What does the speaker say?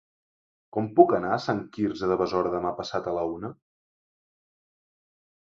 Com puc anar a Sant Quirze de Besora demà passat a la una?